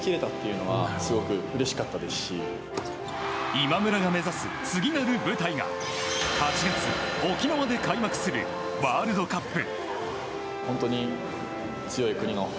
今村が目指す、次なる舞台が８月、沖縄で開幕するワールドカップ。